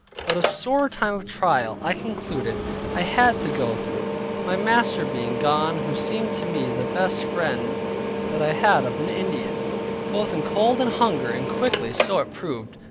But a sore time of trial, I concluded, I had to go through, my master being gone, who seemed to me the best friend that I had of an Indian, both in cold and hunger, and quickly so it proved.